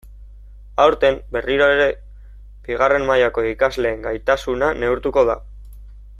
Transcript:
Aurten, berriro ere, bigarren mailako ikasleen gaitasuna neurtuko da.